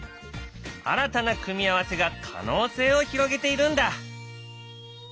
新たな組み合わせが可能性を広げているんだ。